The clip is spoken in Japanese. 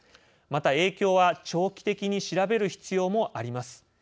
また影響は長期的に調べる必要もあります。